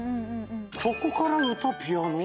そこから歌・ピアノ？